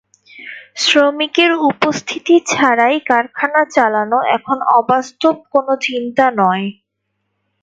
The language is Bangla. শ্রমিকের উপস্থিতি ছাড়াই কারখানা চালানো এখন অবাস্তব কোনো চিন্তা নয়।